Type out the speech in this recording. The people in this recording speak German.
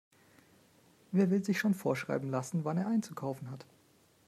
Wer will sich schon vorschreiben lassen, wann er einzukaufen hat?